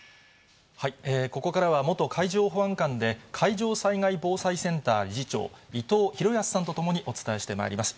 ここからは元海上保安監で海上災害防災センター理事長、伊藤裕康さんと共にお伝えしてまいります。